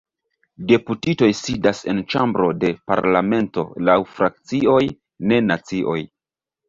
Deputitoj sidas en ĉambro de parlamento laŭ frakcioj, ne nacioj.